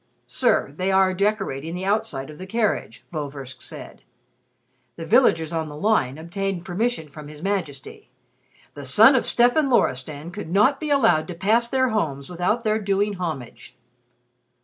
"Sir, they are decorating the outside of the carriage," Vorversk said. "The villagers on the line obtained permission from His Majesty. The son of Stefan Loristan could not be allowed to pass their homes without their doing homage."